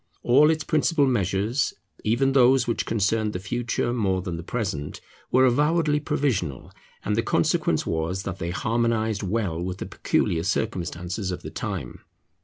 All its principal measures, even those which concerned the future more than the present, were avowedly provisional; and the consequence was that they harmonized well with the peculiar circumstances of the time.